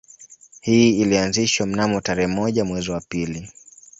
Hii ilianzishwa mnamo tarehe moja mwezi wa pili